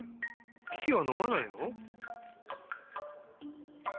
キキはのまないの？